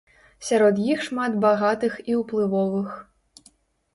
Сярод іх шмат багатых і ўплывовых.